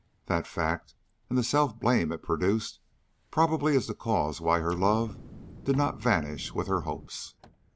That fact, and the self blame it produced, probably is the cause why her love did not vanish with her hopes.